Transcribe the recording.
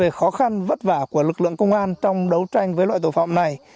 đối với khó khăn vất vả của lực lượng công an trong đấu tranh với loại tội phạm này